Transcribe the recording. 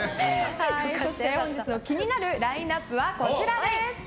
本日の気になるラインアップはこちらです。